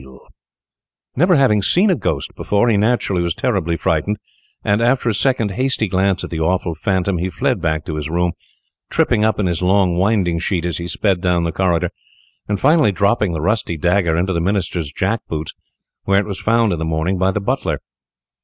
[Illustration: "ITS HEAD WAS BALD AND BURNISHED"] Never having seen a ghost before, he naturally was terribly frightened, and, after a second hasty glance at the awful phantom, he fled back to his room, tripping up in his long winding sheet as he sped down the corridor, and finally dropping the rusty dagger into the Minister's jack boots, where it was found in the morning by the butler.